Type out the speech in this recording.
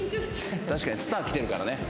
確かにスター来てるからね。